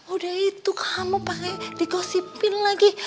udah itu kamu panggil di gosipi lagi